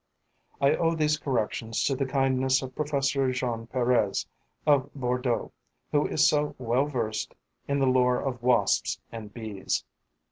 I owe these corrections to the kindness of Professor Jean Perez, of Bordeaux, who is so well versed in the lore of Wasps and Bees.